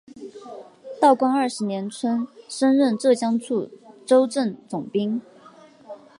道光二十年春升任浙江处州镇总兵。